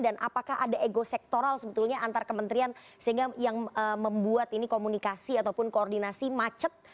dan apakah ada ego sektoral sebetulnya antar kementerian sehingga yang membuat ini komunikasi ataupun koordinasi macet